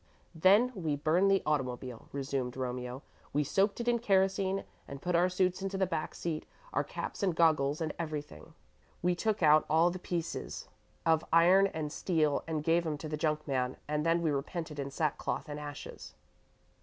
"Then we burned the automobile," resumed Romeo. "We soaked it in kerosene, and put our suits into the back seat our caps and goggles and everything. We took out all the pieces of iron and steel and gave 'em to the junk man, and then we repented in sackcloth and ashes."